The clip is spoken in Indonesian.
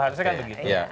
harusnya kan begitu